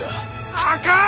あかん！